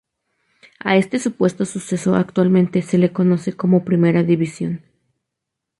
A este supuesto suceso actualmente se le conoce como Primera Visión.